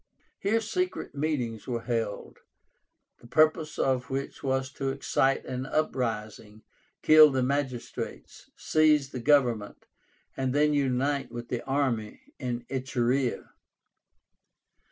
Here secret meetings were held, the purpose of which was to excite an uprising, kill the magistrates, seize the government, and then unite with the army in Etruria.